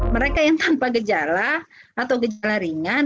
mereka yang tanpa gejala atau gejala ringan